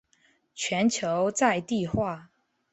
全球在地化。